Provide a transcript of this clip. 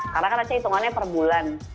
karena kan aca hitungannya perbulan